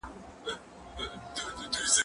موسيقي د زهشوم له خوا اورېدلې کيږي!.